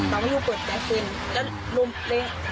หลังจากที่คุณเปิดหน้าเฟน